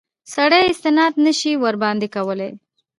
سړی استناد نه شي ورباندې کولای.